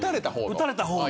打たれた方の。